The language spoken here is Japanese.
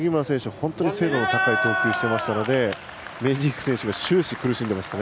本当に精度の高い投球をしていましたのでメジーク選手、終始苦しんでいました。